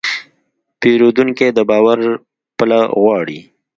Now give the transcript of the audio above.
پیرودونکی د باور پله غواړي.